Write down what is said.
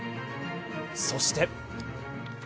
そして。